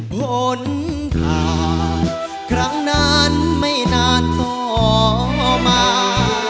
พ้นค่าครั้งนั้นไม่นานต่อมา